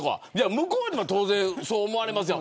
向こうにも当然そう思われますよ。